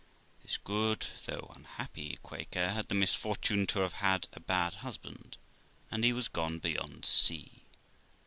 This good (though unhappy) Quaker had the misfortune to have had a bad husband, and he was gone beyond sea.